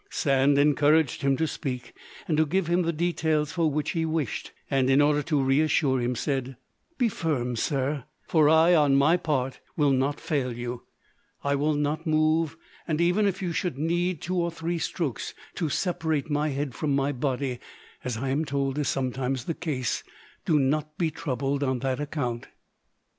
Sand encouraged him to speak and to give him the details for which he wished, and in order to reassure him, said, "Be firm, sir; for I, on my part, will not fail you: I will not move; and even if you should need two or three strokes to separate my head from my body, as I am told is sometimes the case, do not be troubled on that account."